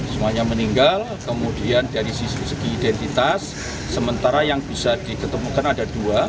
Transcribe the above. semuanya meninggal kemudian dari sisi segi identitas sementara yang bisa diketemukan ada dua